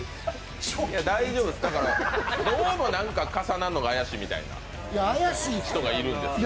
大丈夫です、どうも重なるのが怪しいみたいな人がいるんです。